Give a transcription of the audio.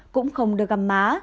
cũng không được gặp má